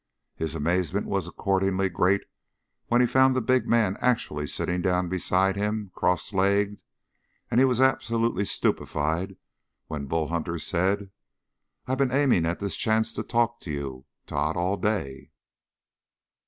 His amazement was accordingly great when he found the big man actually sitting down beside him, cross legged, and he was absolutely stupefied when Bull Hunter said, "I've been aiming at this chance to talk to you, Tod, all day."